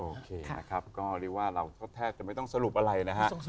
โอเคนะครับก็เรียกว่าเราก็แทบจะไม่ต้องสรุปอะไรนะฮะ